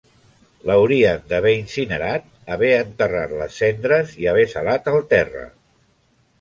L'haurien d'haver incinerat, haver enterrat les cendres i haver salat el terra.